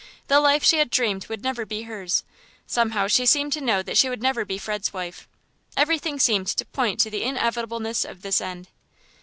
The life she had dreamed would never be hers somehow she seemed to know that she would never be Fred's wife. Everything seemed to point to the inevitableness of this end.